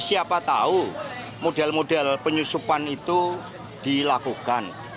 siapa tahu model model penyusupan itu dilakukan